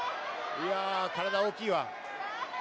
いや、体大きいわ。